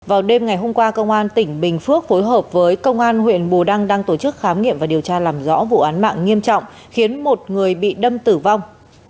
vào đêm ngày hôm qua công an tỉnh bình phước phối hợp với công an huyện bù đăng đang tổ chức khám nghiệm và điều tra làm rõ vụ án mạng nghiêm trọng khiến một người bị đâm tử vong